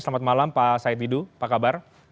selamat malam pak said didu apa kabar